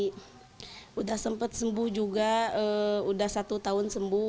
sudah sempat sembuh juga sudah satu tahun sembuh